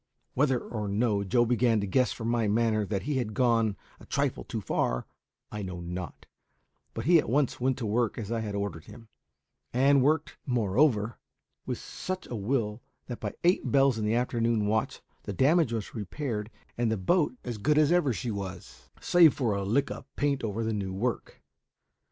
Whether or no Joe began to guess from my manner that he had gone a trifle too far, I know not; but he at once went to work as I had ordered him, and worked, moreover, with such a will that by eight bells in the afternoon watch the damage was repaired and the boat as good as ever she was, save for a lick of paint over the new work.